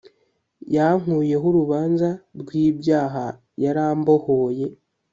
Yankuyeho urubanza rwibyaha yarambohoye